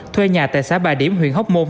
thuê nhà tại xã bà điểm huyện hóc môn